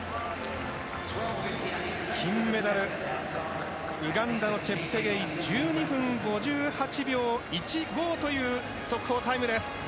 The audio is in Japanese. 金メダルウガンダのチェプテゲイ１２分５８秒１５という速報タイムです。